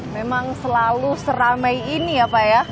memang selalu seramai ini ya pak ya